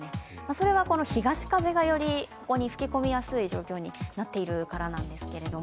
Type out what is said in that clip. それは東風が、よりここに吹き込みやすい状況になっているからなんですけど。